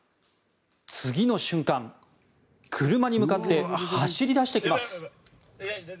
次の瞬間車に向かって走り出してきます。